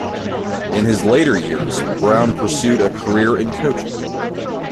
In his later years, Brown pursued a career in coaching.